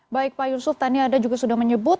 baik pak yusuf tani ada juga sudah menyebut